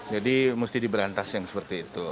jadi mesti diberantas yang seperti itu